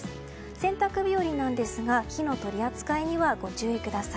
洗濯日和なんですが火の取り扱いにはご注意ください。